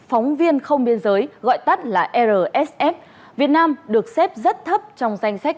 có tổ chức phóng viên không biên giới gọi tắt là rsf việt nam được xếp rất thấp trong danh sách